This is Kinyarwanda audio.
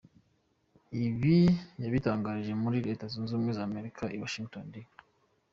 Ibi yabitangarije muri Leta Zunze Ubumwe za Amerika i Washington, D.